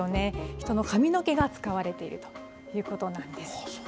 人の髪の毛が使われているということなんです。